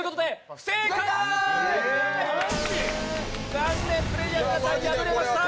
残念、プレーヤーの皆さん敗れました。